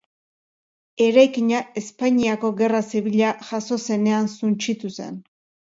Eraikina Espainiako Gerra Zibila jazo zenean suntsitu zen.